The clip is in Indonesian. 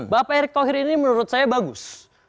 bapak erick thohir ini menurut saya bagus